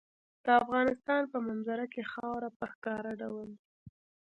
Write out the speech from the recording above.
د افغانستان په منظره کې خاوره په ښکاره ډول دي.